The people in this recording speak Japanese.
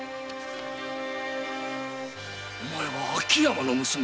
お前は秋山の娘！？